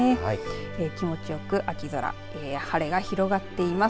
気持ちよく秋空晴れが広がっています。